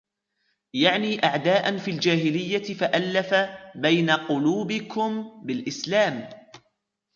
يَعْنِي أَعْدَاءً فِي الْجَاهِلِيَّةِ فَأَلَّفَ بَيْنَ قُلُوبِكُمْ بِالْإِسْلَامِ